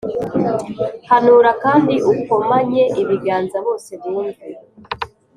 Hanura kandi ukomanye ibiganza bose bumve